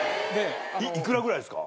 いくらぐらいですか？